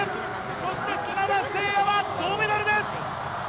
そして砂田晟弥は銅メダルです！